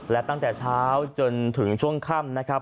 และตั้งแต่เช้าจนถึงช่วงค่ำนะครับ